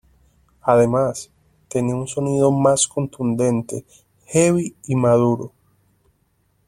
Además, tenía un sonido más contundente, heavy y maduro.